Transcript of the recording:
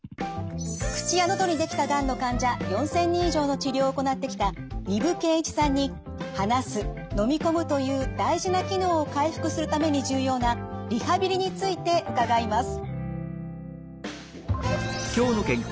口や喉にできたがんの患者４，０００人以上の治療を行ってきた丹生健一さんに「話す」「のみ込む」という大事な機能を回復するために重要なリハビリについて伺います。